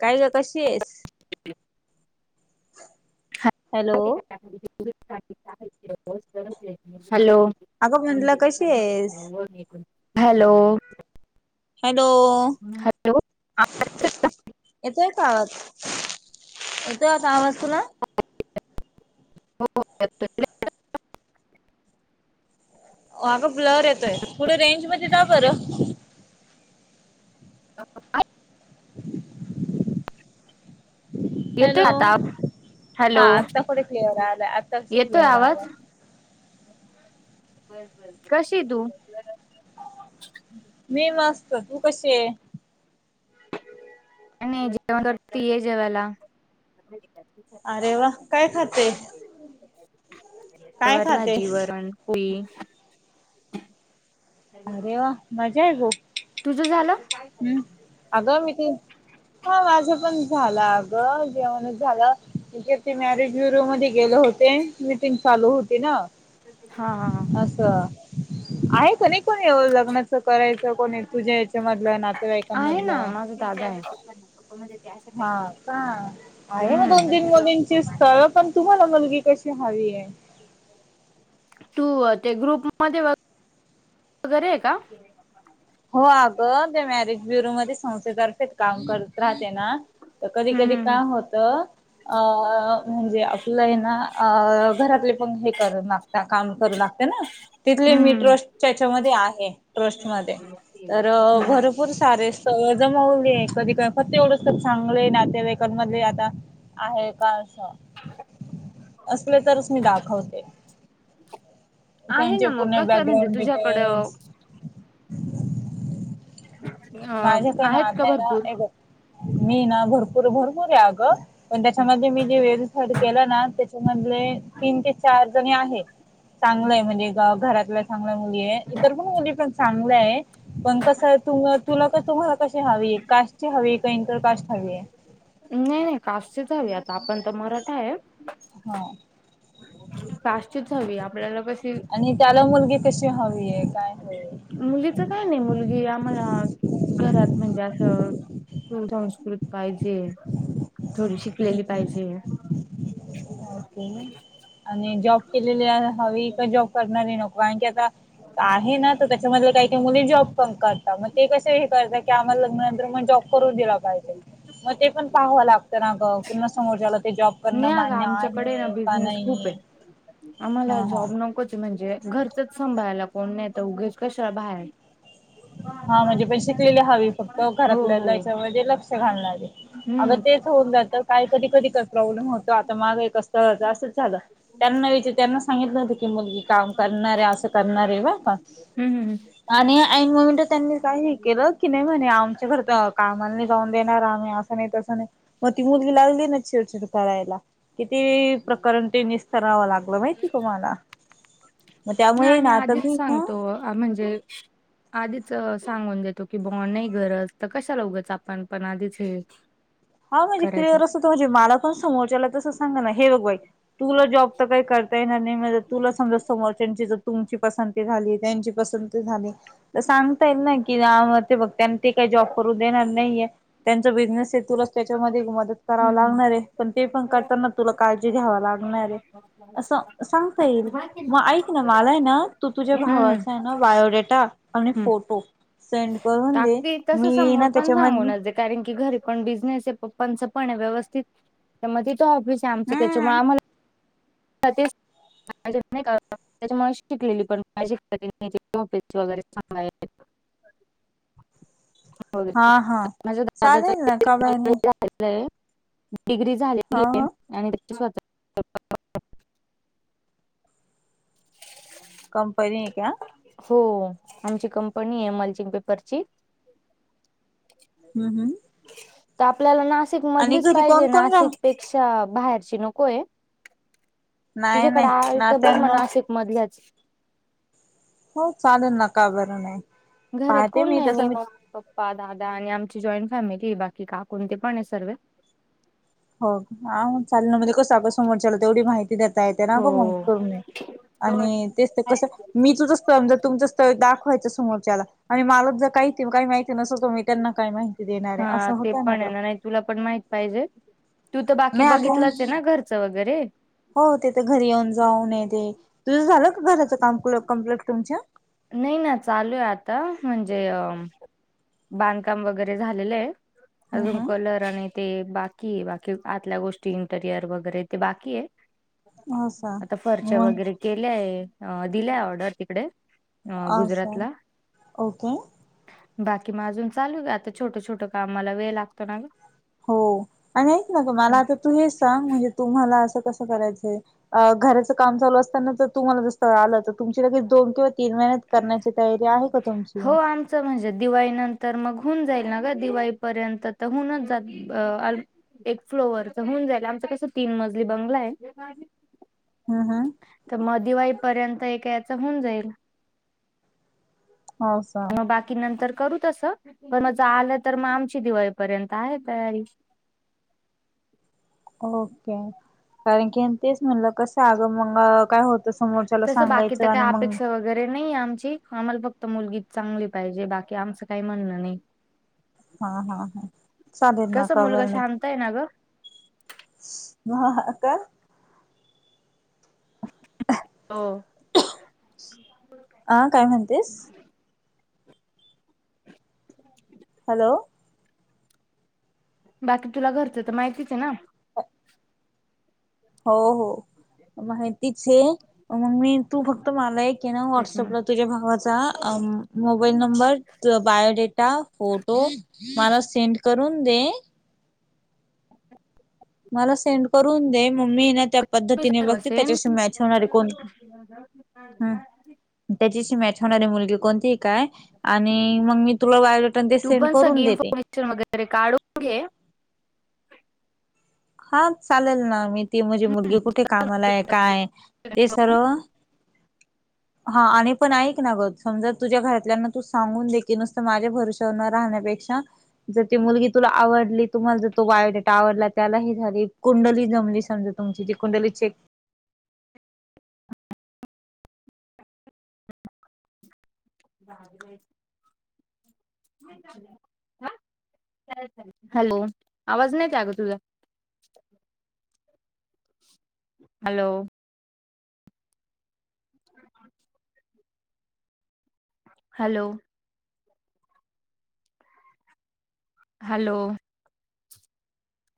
काय गं? कशीयेस? ह हॅलो! हॅलो! अगं म्हटलं कशी आहेस? हॅलो! हॅलो! येतो का आवाज? येतो आता आवाज तुला? हो येतो तुला? अग ब्लयर येतोय पुढा थोड रेंज मध्ये जा बरं हो येतोय हॅलो. आता हा हॅलो, आत्ता थोडे क्लिअर आलाय आत्ता ! येतोय क्लिअर आलाय. आवाज? कशी हाय तू? मी मस्त तू कशी आहे? काय नाही जेवण करती ये जेवायला? ह अरे वा काय खाते? काय गवार भाजी खातेस? वरण पोळी. अरे वा मजा आहे भो. तुझ झालं? हम् अगं मी ते हा माझं पण झालं. अगं जेवणच झाल ते मॅरेजयुरुम मध्ये गेले होते. मीटिंग चालू होती ना. हा हा. आहे की नाही कोणी लग्नाच करायचं कोणी तुझ्या याच्यामध्ये. आपल्या नातेवाईकां मधलं. दा. हा काआहे मग हम्म दोन तीन मुलींची स्थळ पण तुम्हाला मुलगी कशी हवी आहे? तू अ ते ग्रुप मध्ये बघ. तू घरी आहे का? हो अगं, ते मॅरिज ब्युरोमध्ये संस्थेतर्फेच काम करत राहते ना. तर कधी -कधी हम्म काम होतं. अ म्हणजे आपलं हे ना अ - घरातले पण हे कर ना. काम करू लागते ना, तिथले मी हम्म ट्रस्ट त्याच्यामध्ये आहे ट्रस्ट मध्ये. तर अ भरूप. हम्म भरपूर सारे स्थळ जमवूले कधी काय फत्ते उडवूस्तव चांगले नातेवाईकांन मध्ये आता. आहे बाळासा असले तरच मी दाखवते. आहे त्यांचे ना मग पुूर्ण कसं म्हणजे बॅकग्राउंड तुझ्याकडं डिटेल्स. अ माझ्या त्या आहेत का नात्याला भरपूर ए बघ मी ना भरपूर -भरपूर ए अगं. पण त्याच्यामधले मी जे व्हेरिफाईड केलं ना, त्याच्यामधले तीन ते चार जणी आहेत. चांगलंय म्हणजे ग घरातल्या चांगल्या मुली आहेत. इतर पण मुली चांग चांगल आहे. पण कस आहे तू तुला तुम्हाला कशी हवी कास्ट ची हवी? की इंटर कास्ट हवी? नाही- नाही कास्ट ची च हवी. आता आपण तर मराठ आहे. हो. कास्टचीच हवी आपल्याला कशी आणि त्याला मुलगी कशी हवी आहे काय? आहे? मुलीच काय नाही. मुलगी आम्हाला घरात म्हणजे असं सुसंस्कृत पाहिजे. थोडी शिकलेली पाहिजे. [inaudible] ओके आणि जॉब केलेली हवी का जॉब करणारी नको कारण की आता आहे ना तर त्याच्यामध्ये काही - - त्या मुली जॉब पण करता. मग ते कसे हे करता की, आम्हाला लग्नंतर म जॉब करून दिला पाहिजे. मग ते पण पाहावं लागतं ना ग, पुन्हा समोरच्याला ते जॉब करणं मान्य आहे- - कडे ना बिझनेस खूप आहे. आम्हाला हां हां जॉब नकोच आहे. म्हणजे घरचंच सांभाळायला कोण नाही तर उगीच कशाला बाहेर हाय. हा म्हणजे पण शिकलेली हवी. फक्त हो हो घरातल्याच्या मध्ये लक्ष घालणारी. अग हम्म ते- - होऊन जातं काय कधी कधी काय प्रॉब्लेम होतो आता मागे एका स्थळाचं असंच झालं. त्यांना विचार त्यांना सांगितलं होतं की मुलगी काम करणार आहे असं करणार आहे बर का. हम्म आणि ऐैन मोमेन्टच त्यांनी काय हे केलं, की नाही म्हणे आमच्या घरी तर कामा नाही जाऊन देणार. आम्ही असं नाही तसं नाही. मग ती मुलगी लागली ना चिडचिड करायला. किती प्रकरण ते निस्तरावं लागलं माहितीय तुम्हाला? म नाही त्यामुळे- - आम्ही आधीच सांगतो अ म्हणजे आधीच सांगून देतो की, बाबा नाही गरज तर कशाला उगाच आपण पण आधीच हे हा वो म्हणजे करायचं क्लिअर कसं ओ तुम्ही च्या माला पण समोरच्याला तसं सांगा ना हे बघ बाई तुला जॉब तर करता येणार नाही. मदत - - तुला समजा समोरच्यांची जर तुमची पसंती झाली त्यांची पसंती झाली तर, सांगता येईल नाय की ते बघ त्यां ते काही जॉब करून देणार नाहीेय त्यांचा बिझनेस तुला त्याच्यामध्ये मदत कराव हम्म लागणार आहे पण ते पण करताना तुला काळजी घ्याव लागणार आहे. असं सांगता येईल मग ऐक ना माला आहे ना तू तुझ्या हम्म भावाचा आहे ना बायोडेटा आणि हम्म फोटो सेंड करून दे टाकते तसं मी समोर ना पण त्याच्यामधन सांगूनच दे कारण की घरी पण बिझनेस आहे पप्पांच पणय व्यवस्थित त्या म तिथ ऑफिस आहे आमची त्याच्यामुळे हम्म आम्हाला [inaudible] माझ्याकडं नाही का त्याच्यामुळे शिकलेली पण पाहिजे [unintelligible] ऑफिसच वगैरे सांगाय बोल. हा हा माझ्या दादाच [unintelligible] चालेल ना का बाय नाही ऐकलय. डिग्री झालेली हा आहे. हा आणि त्याचे स्वतः कंपनी है क्या? हो आमची कंपनी आहे. 'मलचिंग पेपरची'. हम् हम्. ते आपल्याला नाशिक मधलीच घरी पाहिजे कोण कोण राह नाशिकपेक् क्षा बाहेरची नकोय. नाही तुझ्याकडे नाही आहे का बघ म नात्यांना नासिक् मधल्याच. हो चालेल ना. का बरं नाही? घरात पाहते कोण मी नाही तस मित मम्मी पप्पा दादा आणि आमची जॉईंट फॅमिली बाकी काकू अन् ते पण आहे सर्वे. हो हा चालेल ना म्हणजे कसं आता समोरच्याला तेवढी माहिती देता ये ते ना हो का मग करून आणि तेच ते कसं मी तुझं स्तळ म्हणजे तुमच स्थळ दाखवायचं समोरच्याला. आणि मला जर काही ती काही माहिती नसल तर मी त्यांना काय माहिती देणार आहे हा असं ते होतय ना पण ग. आहे नाही तुला पण माहित पाहिजे, तू तर बाकी नाही आता बघितलच हे ना घरच वगैरे. हो ते तर घरी येऊन जाऊन येते, तुझं झालं का घराचं काम क्लो कम्प्लीट तुमच्या? नाही ना चालू आहे आता म्हणजे अ बांधकाम वगैरे झालेल आहे, हम्म अजून हम्म कलर [unintelligible] ते बाकी ये बाकी आतल्या गोष्टी इंटरियर वगैरे ते बाकी ये. असा आता फर्च्या मग वगैरे केल्याये अ दिल्याय ऑर्डर तिकडे अ असा गुजरातला. ओके बाकी म अजून चालू आता छोट छोट कामाला वेळ लागतो ना ग. हो, आणि ऐक ना ग अच्छा. मला आता तू हेच सांग म्हणजे तुम्हाला अस कसं करायचय. अ घराचं काम चालू असताना जर तुम्हाला जर स्थळ आल त तुमची लगेच दोन किंवा तीन महिन्यात करण्याची तयारी आहे का तुमची? च म्हणजे दिवाळी नंतर मग होऊन जाईल ना ग दिवाळीपर्यंत तर होऊनच जात अ अल एक फ्लोवरच होऊन जाईल आमचं कसं तीन मजली बंगला आहे [inaudible] हम्म हम्म तर म दिवाळीपर्यंत एक याच होऊन जाईल. हो स मग बाकी नंतर करू तस, पण म जर आलं तर मग आमची दिवाळीपर्यंत आहे तयारी. ओके, कारण की तेच म्हटलं कसं अग मंग काय हो समोरच्याला तसं बाकी सांगायच तर आणि काही मंग अपेक्षा वगैरे नाही आमची आम्हाला फक्त मुलगीच चांगली पाहिजे बाकी आमचं काही म्हणणं नाही. हा हा हा, चालेल ना कसं मुलगा कळवेन शांत आहे ना ग मी [unintelligible] हो आ, काय म्हणतेस? हॅलो बाकी तुला घरच तर माहितीच हे ना? हो हो, माहितीच ये, मंग मी तू फक्त मला एक ये ना त्याच्यामुळे व्हॉट्सअपला तुझ्या भावाचा अ मोबाईल नंबर तुझा बायोडेटा, फोटो मला सेंड करून दे. मला सेंड करून दे, म मी ये ना त्या मी पद्धतीने बघते सर्वसेन त्याच्याशी मॅच होणारे कोण? हम्म त्याच्याशी मॅच होणारी मुलगी कोणती काय आणि मंग मी तुला बायोडेटा अन ते तू सेंड पण करून सगळी देते. [inaudible] वगैरे काढून घे हा चालेल ना मी ती म्हणझे मुलगी कुठे कामाला आहे, काय आहे ते सर्व हा आणि पण ऐक ना ग समजा तुझ्या घरातल्यांना तू सांगून दे की नुसता माझ्या भरवश्यावर न राहण्यापेक्षा जर ती मुलगी तुला आवडली तुम्हाला जर तो बायोडेटा आवडला त्यालाही झाली कुंडली जमली समजा. तुमची जी कुंडली चेक [inaudible] हॅलो आवाज नाही येत आहे गं तुझा हॅलो [unintelligible] [inaudible] हॅलो हॅलो